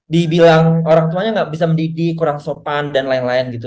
dibilang orang tuanya nggak bisa mendidih kurang sopan dan lain lain gitu